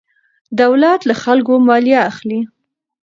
دولت له خلکو مالیه اخلي.